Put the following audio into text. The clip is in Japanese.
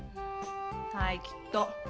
はいきっと。